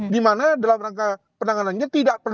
dimana dalam rangka penanganannya